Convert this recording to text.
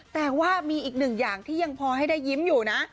แต่ว่ามีอีกหนึ่งอย่างที่ยังพอให้ได้ยิ้มอยู่นะ